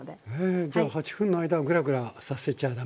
じゃあ８分の間グラグラさせちゃ駄目？